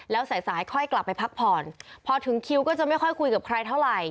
แล้วสายสายค่อยกลับไปพักผ่อนพอถึงคิวก็จะไม่ค่อยคุยกับใครเท่าไหร่